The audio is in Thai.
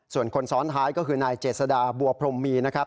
ส่วนคนซ้อนท้ายก็คือนายเจษฎาบัวพรมมีนะครับ